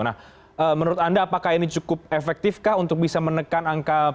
nah menurut anda apakah ini cukup efektifkah untuk bisa menekan angka penularan